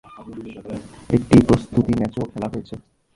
একটি প্রস্তুতি ম্যাচও খেলা হয়েছে।